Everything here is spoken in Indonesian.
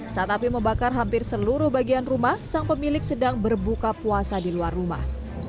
saat api membakar hampir seluruh bagian rumah sang pemilik sedang berbuka puasa di luar rumah